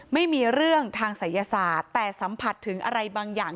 ไม่มีเรื่องทางศัยศาสตร์แต่สัมผัสถึงอะไรบางอย่าง